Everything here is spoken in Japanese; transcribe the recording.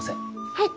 はい。